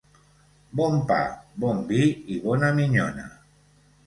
Bon pa, bon vi i bona minyona.